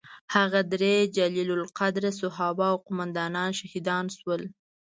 هغه درې جلیل القدره صحابه او قوماندانان شهیدان شول.